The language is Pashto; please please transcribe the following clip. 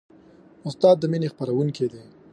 استاد د مینې خپروونکی دی.